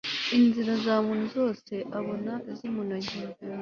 inzira za muntu zose abona zimunogeye